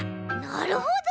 なるほど！